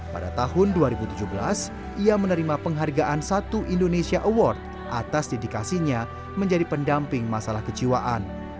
pada tahun dua ribu tujuh belas ia menerima penghargaan satu indonesia award atas dedikasinya menjadi pendamping masalah kejiwaan